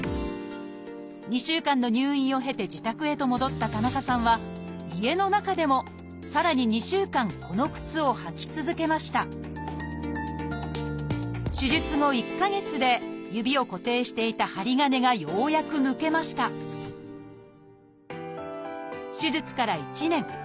２週間の入院を経て自宅へと戻った田中さんは家の中でもさらに２週間この靴を履き続けました手術後１か月で指を固定していた針金がようやく抜けました手術から１年。